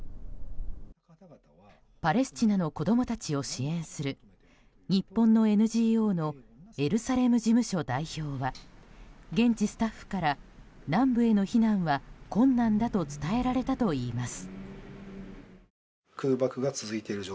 パレスチナの子供たちを支援する日本のＮＧＯのエルサレム事務所代表は現地スタッフから南部への避難は困難だと伝えられたといいます。